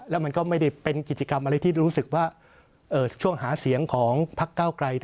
แล้วมันก็ไม่ได้เป็นกิจกรรมอะไรที่รู้สึกว่าช่วงหาเสียงของพักเก้าไกล